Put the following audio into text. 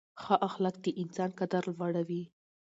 ښه اخلاق د انسان قدر لوړوي.